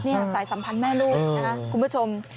นี่สายสัมพันธ์แม่ลูกนะคะคุณผู้ชม